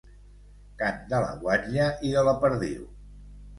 Cant de la guatlla i de la perdiu.